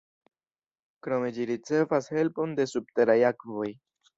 Krome ĝi ricevas helpon de subteraj akvoj.